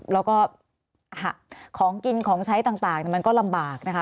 แล้วก็ของกินของใช้ต่างมันก็ลำบากนะคะ